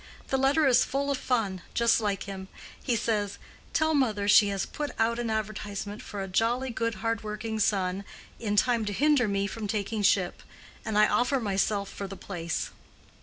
The letter is full of fun—just like him. He says, 'Tell mother she has put out an advertisement for a jolly good hard working son, in time to hinder me from taking ship; and I offer myself for the place.